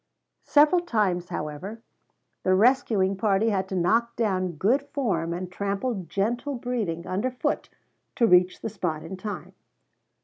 Several times, however, the rescuing party had to knock down good form and trample gentle breeding under foot to reach the spot in time.